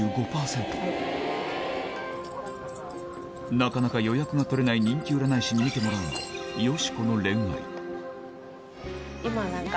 なかなか予約が取れない人気占い師に見てもらうのは今なんか。